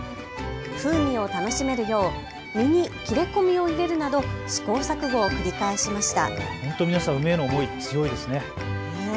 風味を楽しめるよう実に切れ込みを入れるなど試行錯誤を繰り返しました。